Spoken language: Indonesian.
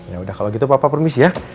yaudah kalau gitu papa permisi ya